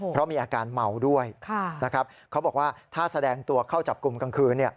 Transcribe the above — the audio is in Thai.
เพราะมีอาการเมาด้วยนะครับเขาบอกว่าถ้าแสดงตัวเข้าจับกลุ่มกลางคืน